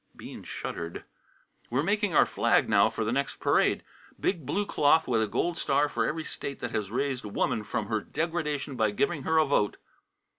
Bean shuddered. "We're making our flag now for the next parade big blue cloth with a gold star for every state that has raised woman from her degradation by giving her a vote."